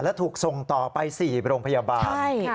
และถูกส่งต่อไป๔โรงพยาบาล